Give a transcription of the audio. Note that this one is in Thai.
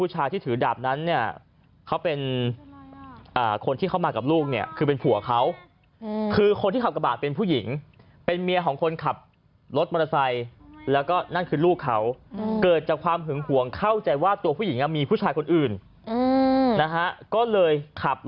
เหตุการณ์มันเกิดขึ้นที่สามแยกวังชมพูอำเภอบริเภชบูรณ์นะฮะ